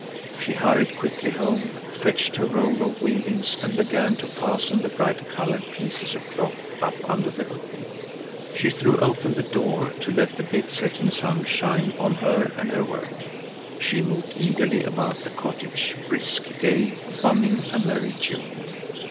She hurried quickly home, fetched her roll of weavings and began to fasten the bright colored pieces of cloth up under the roof. She threw open the door to let the big setting sun shine on her and her work. She moved eagerly about the cottage, brisk, gay, bumming a merry tune.